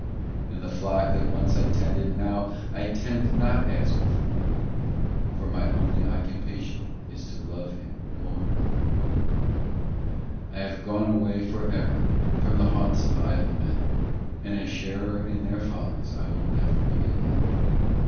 And the flock that once I tended, Now I tend not as before, For my only occupation Is to love Him more and more. 29 I have gone away for ever From the haunts of idle men, And a sharer in their follies I will never be again.